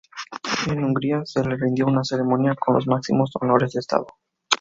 En Hungría se le rindió una ceremonia con los máximos honores de Estado.